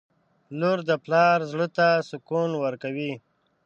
• لور د پلار زړه ته سکون ورکوي.